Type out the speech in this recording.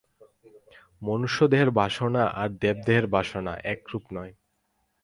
মনুষ্যদেহের বাসনা আর দেবদেহের বাসনা একরূপ নয়।